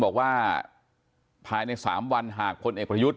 บอกว่าภายใน๓วันหากพลเอกประยุทธ์